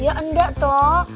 ya enggak toh